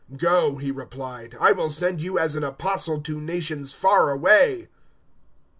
022:021 "`Go,' He replied; `I will send you as an Apostle to nations far away.'"